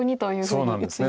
そうなんです。